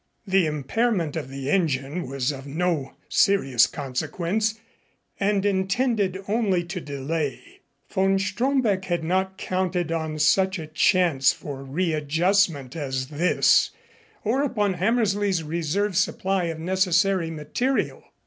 The impairment of the engine was of no serious consequence, and intended only to delay. Von Stromberg had not counted on such a chance for readjustment as this, or upon Hammersley's reserve supply of necessary material.